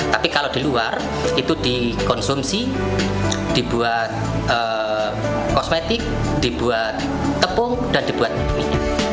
tapi kalau di luar itu dikonsumsi dibuat kosmetik dibuat tepung dan dibuat minyak